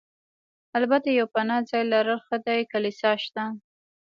البته یو پناه ځای لرل ښه دي، کلیسا شته.